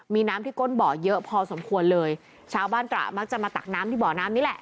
มีน้ำที่ก้นบ่อเยอะพอสมควรเลยชาวบ้านตระมักจะมาตักน้ำที่บ่อน้ำนี่แหละ